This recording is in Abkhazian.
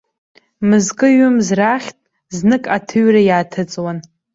Мызкы, ҩымз рахьтә знык аҭыҩра иааҭыҵуан.